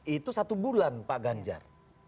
itu satu bulan pak ganjar